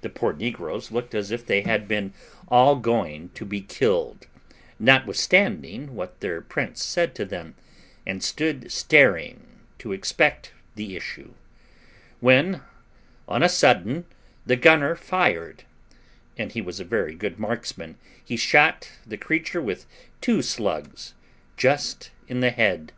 The poor negroes looked as if they had been all going to be killed, notwithstanding what their prince said to them, and stood staring to expect the issue, when on a sudden the gunner fired; and as he was a very good marksman, he shot the creature with two slugs, just in the head.